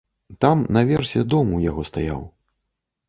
Там, на версе дом у яго стаяў.